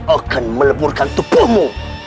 akan meleburkan tupumu